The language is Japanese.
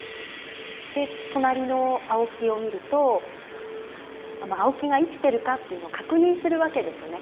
で隣の青木を見ると青木が生きてるかというのを確認するわけですよね